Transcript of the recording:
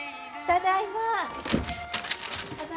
・ただいま。